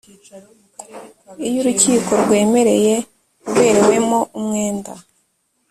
iyo urukiko rwemereye uberewemo umwenda